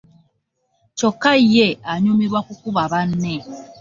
Kyokka ye anyumirwa kukuba banne.